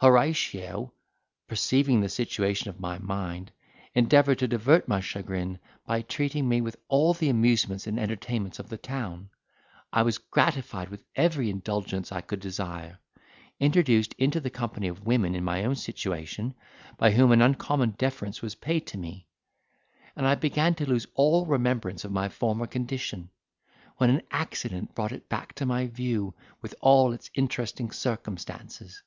Horatio, perceiving the situation of my mind, endeavoured to divert my chagrin, by treating me with all the amusements and entertainments of the town. I was gratified with every indulgence I could desire; introduced into the company of women in my own situation, by whom an uncommon deference was paid to me; and I began to lose all remembrance of my former condition, when an accident brought it back to my view with all its interesting circumstances.